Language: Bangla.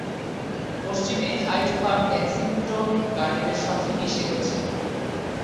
পশ্চিমে হাইড পার্ক কেনসিংটন গার্ডেনের সাথে মিশে গেছে।